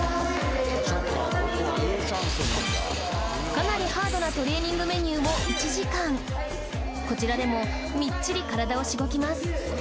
かなりハードなトレーニングメニューも１時間こちらでもみっちり体をしごきます